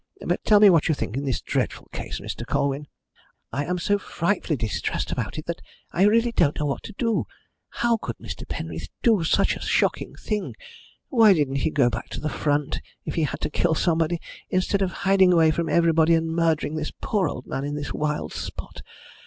But tell me what you think of this dreadful case, Mr. Colwyn. I am so frightfully distressed about it that I really don't know what to do. How could Mr. Penreath do such a shocking thing? Why didn't he go back to the front, if he had to kill somebody, instead of hiding away from everybody and murdering this poor old man in this wild spot?